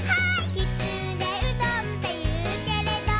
「きつねうどんっていうけれど」